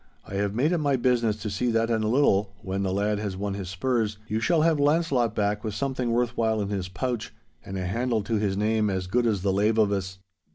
'I have made it my business to see that in a little, when the lad has won his spurs, you shall have Launcelot back with something worth while in his pouch, and a handle to his name as good as the lave of us.